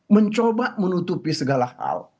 mencoba menutupi segala hal